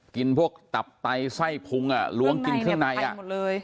กินพวกตับไตไส้พุงอ่ะล้วงกินขึ้นในอ่ะเพื่อนในเนี่ยไพหมดเลย